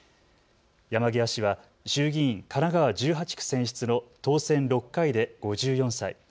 山際氏は衆議院神奈川１８区選出の当選６回で５４歳。